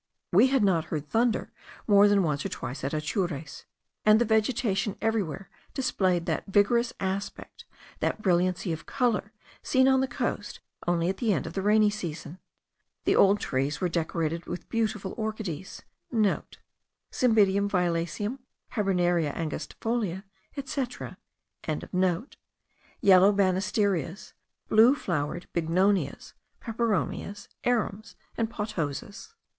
We had not heard thunder more than once or twice at Atures, and the vegetation everywhere displayed that vigorous aspect, that brilliancy of colour, seen on the coast only at the end of the rainy season. The old trees were decorated with beautiful orchideas,* (* Cymbidium violaceum, Habenaria angustifolia, etc.) yellow bannisterias, blue flowered bignonias, peperomias, arums, and pothoses.